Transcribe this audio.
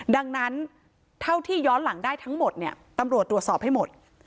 ดังนั้นเท่าที่ย้อนหลังได้ทั้งหมดเนี่ยตำรวจตรวจสอบให้หมด